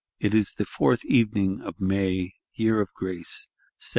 It is the fourth evening of May, year of Grace 1774.